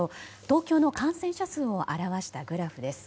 東京の感染者数を表したグラフです。